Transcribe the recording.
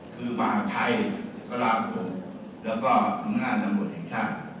คือมหาภัยฮราโกแล้วก็คำนาจนำบทแห่งชาติ